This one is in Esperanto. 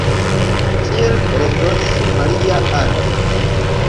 Tiel rezonis Maria-Ann.